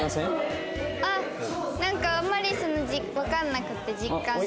あっなんかあんまりわかんなくって実感が。